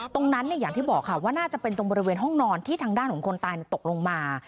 อย่างที่บอกค่ะว่าน่าจะเป็นตรงบริเวณห้องนอนที่ทางด้านของคนตายตกลงมา